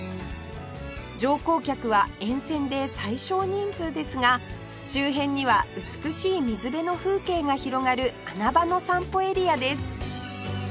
乗降客は沿線で最小人数ですが周辺には美しい水辺の風景が広がる穴場の散歩エリアです